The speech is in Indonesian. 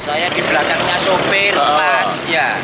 saya di belakangnya sopir pas